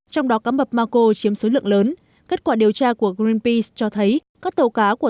trong đó cá mập mako chiếm số lượng lớn kết quả điều tra của greenpeace cho thấy các tàu cá của